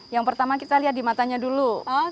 yang pertama kita lihat di matanya dulu